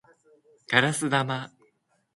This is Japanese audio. ガラス玉